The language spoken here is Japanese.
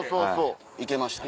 行けましたね。